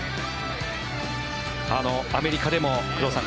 アメリカでも工藤さん